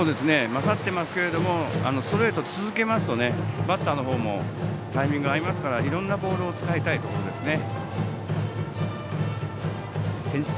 勝っていますけどストレートを続けますとタイミングが合いますからいろんなボールを使いたいところですね。